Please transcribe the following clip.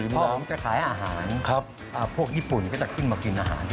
หลวงจะขายอาหารพวกญี่ปุ่นก็จะขึ้นมากินอาหาร